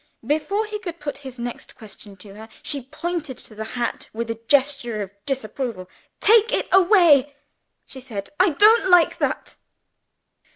Before he could put his next question to her, she pointed to the hat with a gesture of disapproval. "Take it away," she said. "I don't like that."